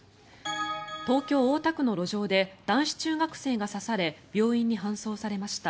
東京・大田区の路上で男子中学生が刺され病院に搬送されました。